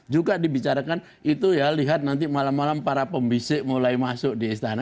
juga dibicarakan itu ya lihat nanti malam malam para pembisik mulai masuk di istana